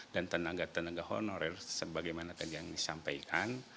dan tenaga tenaga honorer sebagaimana tadi yang disampaikan